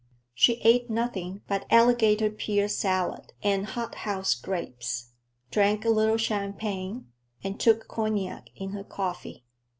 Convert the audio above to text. She ate nothing but alligator pear salad and hothouse grapes, drank a little champagne, and took cognac in her coffee.